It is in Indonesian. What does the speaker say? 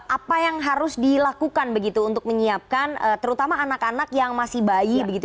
apa yang harus dilakukan begitu untuk menyiapkan terutama anak anak yang masih bayi begitu